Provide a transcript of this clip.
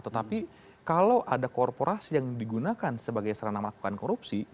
tetapi kalau ada korporasi yang digunakan sebagai sarana melakukan korupsi